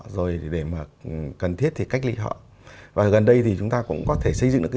rồi để cần thiết cách lị họ và gần đây chúng ta cũng có thể xây dựng